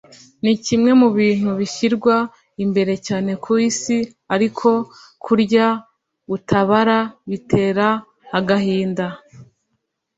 ni kimwe mu bintu bishyirwa imbere cyane ku Isi ariko kurya utabara bitera agahinda